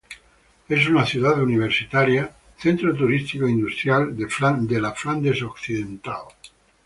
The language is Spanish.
Es una ciudad universitaria, centro turístico e industrial de Flandes Occidental.